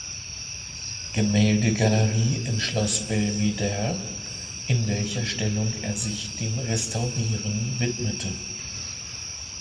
Gemäldegalerie im Schloss Belvedere, in welcher Stellung er sich dem Restaurieren widmete.